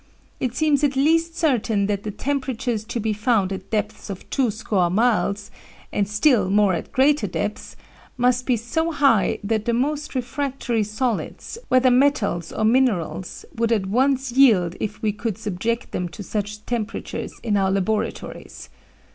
It seems at least certain that the temperatures to be found at depths of two score miles, and still more at greater depths, must be so high that the most refractory solids, whether metals or minerals, would at once yield if we could subject them to such temperatures in our laboratories.